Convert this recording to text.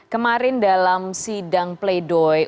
kemarin dalam sidang play doh